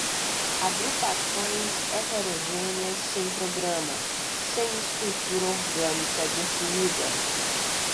Agrupações heterogêneas sem programa, sem estrutura orgânica definida